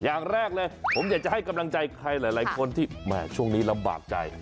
อย่างแรกเลยผมจะจะให้กำลังใจใครหลายคนที่ช่วงนี้ระบากใจ